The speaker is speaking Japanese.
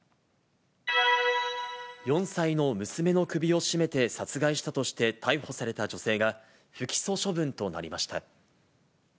４歳の娘の首を絞めて殺害したとして逮捕された女性が、不起訴処分となりました。